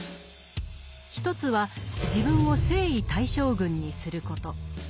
一つは自分を征夷大将軍にすること。